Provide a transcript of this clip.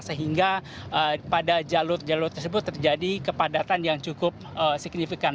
sehingga pada jalur jalur tersebut terjadi kepadatan yang cukup signifikan